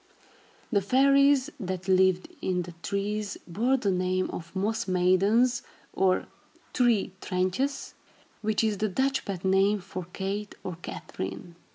The fairies that lived in the trees bore the name of Moss Maidens, or Tree "Trintjes," which is the Dutch pet name for Kate, or Katharine.